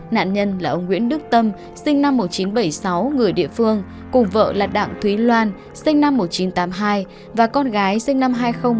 nạn nhân là ông nguyễn đức tâm sinh năm một nghìn chín trăm bảy mươi sáu người địa phương cùng vợ là đặng thúy loan sinh năm một nghìn chín trăm tám mươi hai và con gái sinh năm hai nghìn